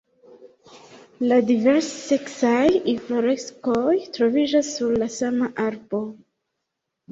La divers-seksaj infloreskoj troviĝas sur la sama arbo.